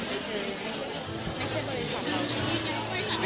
คุณแม่น้องให้โอกาสดาราคนในผมไปเจอคุณแม่น้องให้โอกาสดาราคนในผมไปเจอ